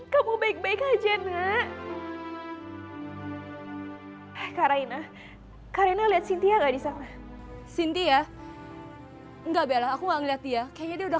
karaina karaina lihat sintia gak disana sintia enggak bella aku ngeliat dia kayaknya dia udah